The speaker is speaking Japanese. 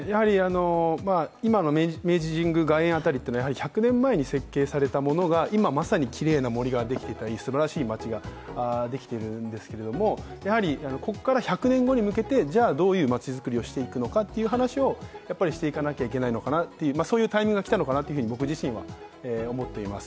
今の明治神宮外苑辺りというのは１００年前に設計されたものが今まさにきれいな森ができていたり、街ができているんですがやはりここから１００年後に向けて、どういうまちづくりをしていくのかという話をやっぱりしていかなきゃいけないのかなという、そういうタイミングが来たのかなと僕自身は思っています。